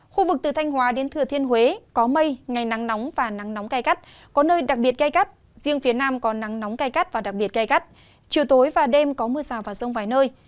khu vực từ thanh hòa đến thừa thiên huế có mây ngày nắng nóng và nắng nóng cay gắt có nơi đặc biệt cay gắt riêng phía nam có nắng nóng cay gắt và đặc biệt cay gắt chiều tối và đêm có mưa rào và rông vài nơi